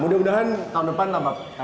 mudah mudahan tahun depan nampak